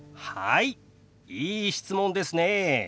いい質問ですね。